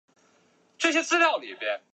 回国后担任福州鹤龄英华中学校务主任。